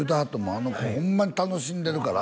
「あの子ホンマに楽しんでるから」